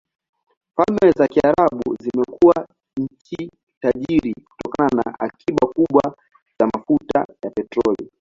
Falme za Kiarabu zimekuwa nchi tajiri kutokana na akiba kubwa za mafuta ya petroli.